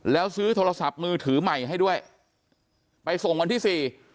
แล้วซื้อโทรศัพท์มือถือใหม่ให้ด้วยไปส่งวันที่สี่